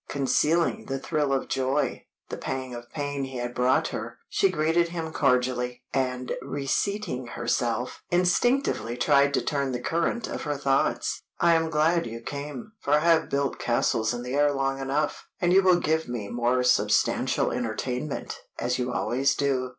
Concealing the thrill of joy, the pang of pain he had brought her, she greeted him cordially, and reseating herself, instinctively tried to turn the current of her thoughts. "I am glad you came, for I have built castles in the air long enough, and you will give me more substantial entertainment, as you always do."